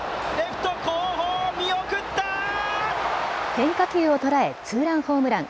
変化球を捉えツーランホームラン。